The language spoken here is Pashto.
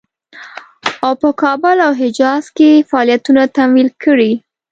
او په کابل او حجاز کې فعالیتونه تمویل کړي.